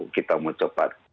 kita mau cepat